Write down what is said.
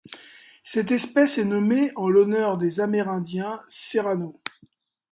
Cette espèce est nommée en l'honneur des améridindiens Serrano.